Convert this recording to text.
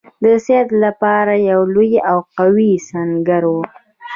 د سید لپاره یو لوی او قوي سنګر وو.